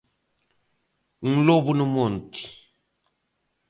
Un lobo no monte.